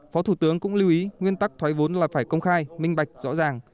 phó thủ tướng cũng lưu ý nguyên tắc thoái vốn là phải công khai minh bạch rõ ràng